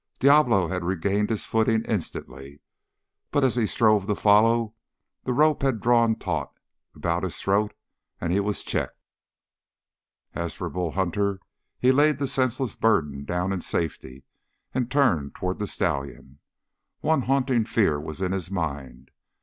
Diablo had regained his footing instantly, but as he strove to follow, the rope had drawn taut about his throat, and he was checked. As for Bull Hunter, he laid the senseless burden down in safety, and turned toward the stallion. One haunting fear was in his mind.